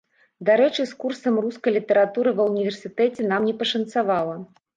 Дарэчы з курсам рускай літаратуры ва ўніверсітэце нам не пашанцавала.